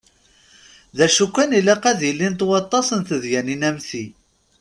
D acu kan ilaq ad ilint waṭas n tedyanin am ti.